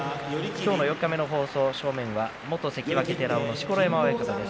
今日、四日目の解説は元関脇寺尾の錣山親方です。